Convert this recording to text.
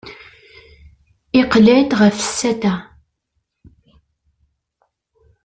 Iqqel-d ɣef setta.